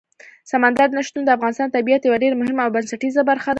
سمندر نه شتون د افغانستان د طبیعت یوه ډېره مهمه او بنسټیزه برخه ده.